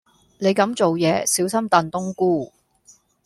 你咁做野，小心燉冬菇